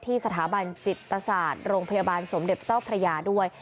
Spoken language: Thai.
สถาบันจิตศาสตร์โรงพยาบาลสมเด็จเจ้าพระยาด้วย